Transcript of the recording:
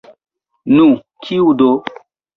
Nu, kiu do?